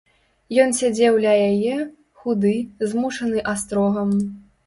Ён сядзеў ля яе, худы, змучаны астрогам.